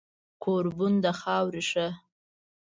کوربون د خاورې شه